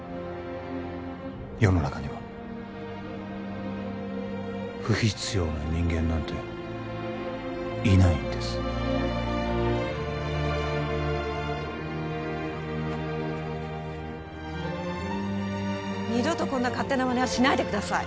世の中には不必要な人間なんていないんです二度とこんな勝手なまねはしないでください